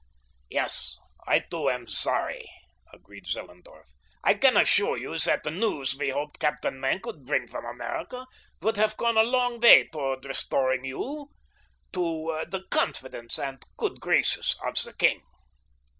"Yes, I, too, am sorry," agreed Zellerndorf. "I can assure you that the news we hoped Captain Maenck would bring from America would have gone a long way toward restoring you to the confidence and good graces of the king."